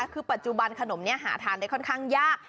คือปัจจุบันขนมนี้หาทานได้ค่อนข้างยาก